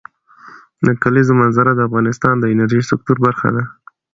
د کلیزو منظره د افغانستان د انرژۍ سکتور برخه ده.